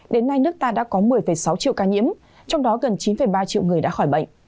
đến nay nước ta đã có một mươi sáu triệu ca nhiễm trong đó gần chín ba triệu người đã khỏi bệnh